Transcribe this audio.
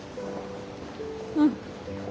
うん。